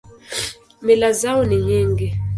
Mila zao ni nyingi.